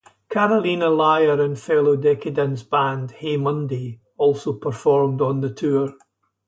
Carolina Liar and fellow Decaydance band, Hey Monday also performed on the tour.